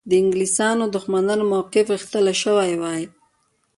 د انګلیسیانو دښمنانو موقف غښتلی شوی وای.